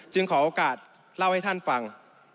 ขอโอกาสเล่าให้ท่านฟัง